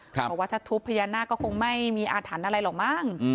บอกว่าถ้าทุบพญานาคก็คงไม่มีอาถรรพ์อะไรหรอกมั้ง